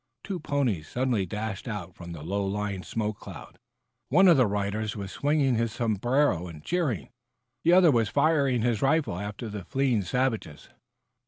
Two ponies suddenly dashed out from the low lying smoke cloud. One of their riders was swinging his sombrero and cheering; the other was firing his rifle after the fleeing savages.